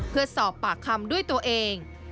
เพื่อสอบปากคำด้วยตัวเอง